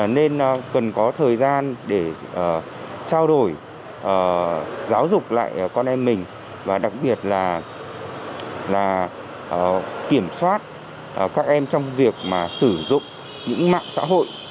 nên cần có thời gian để trao đổi giáo dục lại con em mình và đặc biệt là kiểm soát các em trong việc sử dụng những mạng xã hội